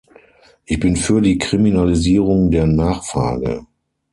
Ich bin für die Kriminalisierung der Nachfrage.